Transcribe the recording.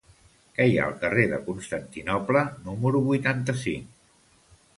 Què hi ha al carrer de Constantinoble número vuitanta-cinc?